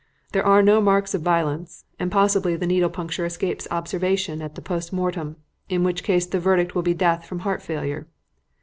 There are no marks of violence, and probably the needle puncture escapes observation at the post mortem, in which case the verdict will be death from heart failure.